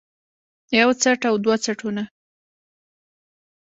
يو څټ او دوه څټونه